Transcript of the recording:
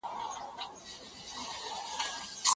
سړی په ډېرې بیړې سره د خپل کور په لور لاړ.